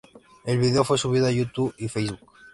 El video fue subido a YouTube y Facebook.